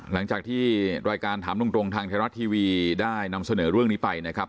หลังจากที่รายการถามตรงทางไทยรัฐทีวีได้นำเสนอเรื่องนี้ไปนะครับ